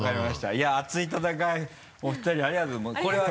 いや熱い戦いお二人ありがとうございます。